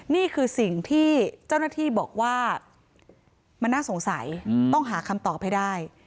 นี่คือสิ่งที่เจ้าหน้าที่บอกว่ามันน่าสงสัยต้องหาคำตอบให้ได้